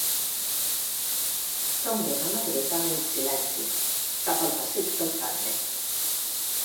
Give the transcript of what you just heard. Tomben a mà dreta en silenci, cap al passeig del Carme.